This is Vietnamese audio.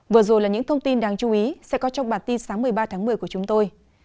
vừa rồi là những thông tin đáng chú ý sẽ có trong bản tin sáng một mươi ba tháng một mươi của chúng tôi